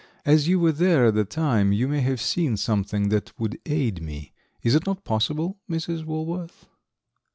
As you were there at the time, you may have seen something that would aid me. Is it not possible, Mrs. Walworth?"